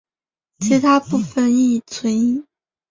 其他部分亦存疑。